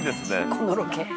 「このロケ」